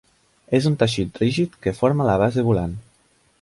És un teixit rígid que forma la base volant.